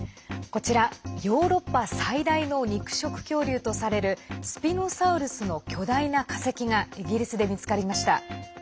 こちら、ヨーロッパ最大の肉食恐竜とされるスピノサウルスの巨大な化石がイギリスで見つかりました。